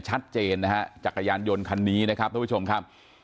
ชัดเจนนะฮะจักรยานยนต์คันนี้นะครับทุกผู้ชมครับ